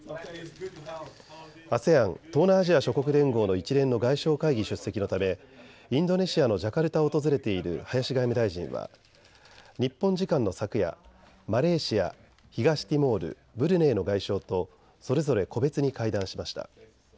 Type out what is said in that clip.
ＡＳＥＡＮ・東南アジア諸国連合の一連の外相会議出席のためインドネシアのジャカルタを訪れている林外務大臣は日本時間の昨夜、マレーシア、東ティモール、ブルネイの外相とそれぞれ個別に会談しました。